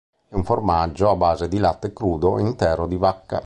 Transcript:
È un formaggio a base di latte crudo e intero di vacca.